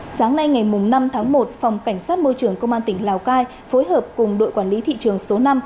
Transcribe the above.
sáng nay ngày năm tháng một phòng cảnh sát môi trường công an tỉnh lào cai phối hợp cùng đội quản lý thị trường số năm